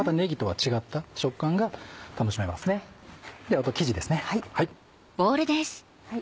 あと生地ですね。